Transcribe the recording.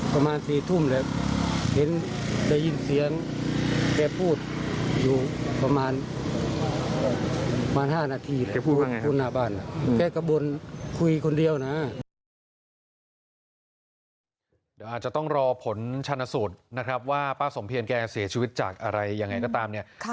คุยคนเดียวนะ